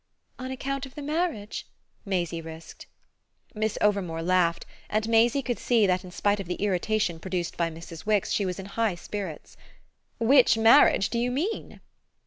"On account of the marriage?" Maisie risked. Miss Overmore laughed, and Maisie could see that in spite of the irritation produced by Mrs. Wix she was in high spirits. "Which marriage do you mean?"